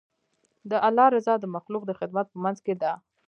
د الله رضا د مخلوق د خدمت په منځ کې ده.